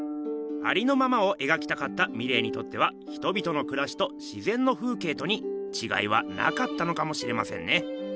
ありのままを描きたかったミレーにとっては人々のくらしとしぜんの風景とにちがいはなかったのかもしれませんね。